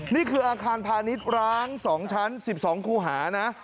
นี่คืออาคารพาณิชย์ร้าง๒ชั้น๑๒คู่หานะ